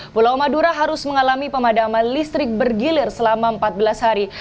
pulau madura harus mengalami pemadaman listrik bergilir selama empat belas hari